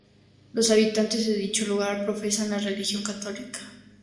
Los habitantes de dicho lugar profesan la religión católica.